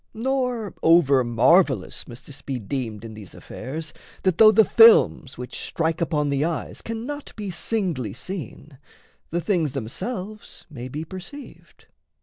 Nor over marvellous must this be deemed In these affairs that, though the films which strike Upon the eyes cannot be singly seen, The things themselves may be perceived.